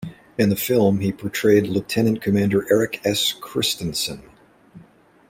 In the film, he portrayed Lieutenant Commander Erik S. Kristensen.